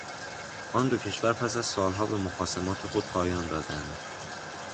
آن دو کشور پس از سالها به مخاصمات خود پایان دادند